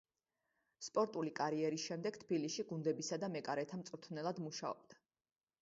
სპორტული კარიერის შემდეგ თბილისში გუნდებისა და მეკარეთა მწვრთნელად მუშაობდა.